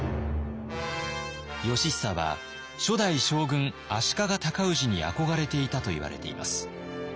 義尚は初代将軍足利尊氏に憧れていたといわれています。